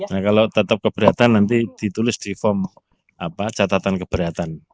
nah kalau tetap keberatan nanti ditulis di form catatan keberatan